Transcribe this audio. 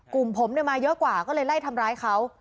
กลุ่มผมมาเยอะกว่าก็เลยไล่ทำร้ายเขา